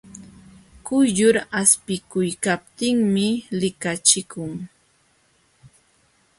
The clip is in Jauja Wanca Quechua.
Quyllur aspikuykaptinmi likachikun.